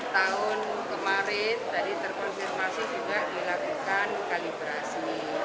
tahun kemarin tadi terkonfirmasi juga dilakukan kalibrasi